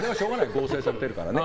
合成されてるからね。